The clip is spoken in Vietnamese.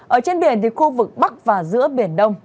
ở trên biển khu vực bắc và giữa biển đông